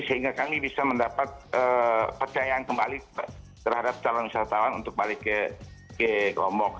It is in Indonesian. sehingga kami bisa mendapat percayaan kembali terhadap calon wisatawan untuk balik ke lombok